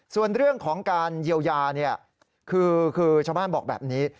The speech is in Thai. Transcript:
ส่วนเรื่องของการเยียวยาคือชาวบ้านบอกแบบนี้